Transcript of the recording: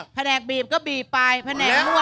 แผนกบีบก็บีบไปแผนกนวดก็นวดไป